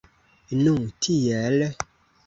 Nu tiel!